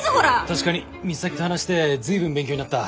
確かに美咲と話して随分勉強になった。